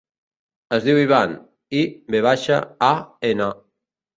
Es diu Ivan: i, ve baixa, a, ena.